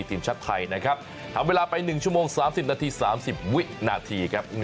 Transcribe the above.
ทีมชาติไทยนะครับทำเวลาไป๑ชั่วโมง๓๐นาที๓๐วินาทีครับ